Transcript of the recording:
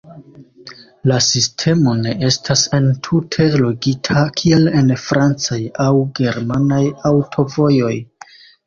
La sistemo ne estas entute logika kiel en francaj aŭ germanaj aŭtovojoj.